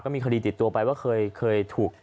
มีคดีติดตัวไปว่าเคยถูก